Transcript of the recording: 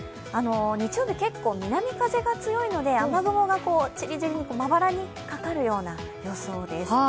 日曜日、結構南風強いので雨雲がちりぢりに、まばらにかかるような予想です。